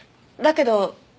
だけど。